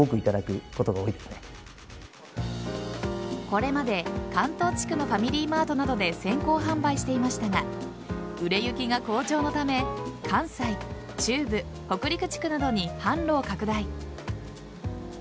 これまで関東地区のファミリーマートなどで先行販売していましたが売れ行きが好調のため関西、中部、北陸地区などに販路を拡大。